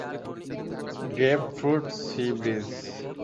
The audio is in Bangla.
Grapefruit sea bridge.